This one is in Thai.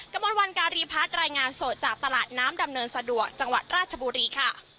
กระมวลวันการีพัฒน์รายงานสดจากตลาดน้ำดำเนินสะดวกจังหวัดราชบุรีค่ะ